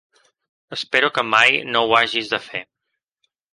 Espero que mai no ho hagis de fer.